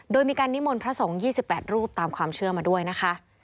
โดยมีการนิมนต์พระสงฆ์๒๘รูปตามความเชื่อมาด้วยนะคะ